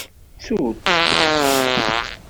Ttu-tt.